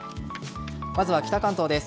まずは北関東です。